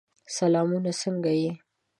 سلامونه! څنګه یې؟